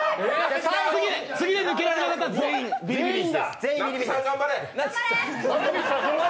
次で抜けられなかったら全員ビリビリ椅子です。